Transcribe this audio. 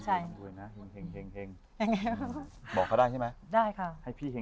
เห็นไหมคะ